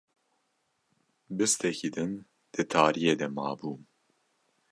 Bistekî din di tariyê de mabûm